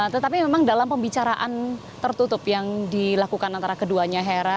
tetapi memang dalam pembicaraan tertutup yang dilakukan antara keduanya hera